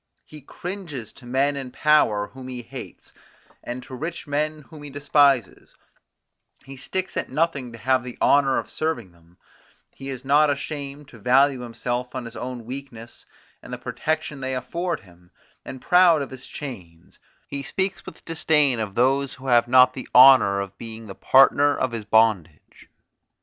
He cringes to men in power whom he hates, and to rich men whom he despises; he sticks at nothing to have the honour of serving them; he is not ashamed to value himself on his own weakness and the protection they afford him; and proud of his chains, he speaks with disdain of those who have not the honour of being the partner of his bondage.